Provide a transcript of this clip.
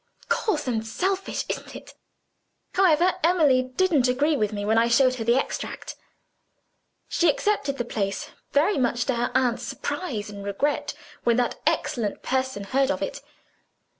Coarse and selfish isn't it? However, Emily didn't agree with me, when I showed her the extract. She accepted the place, very much to her aunt's surprise and regret, when that excellent person heard of it.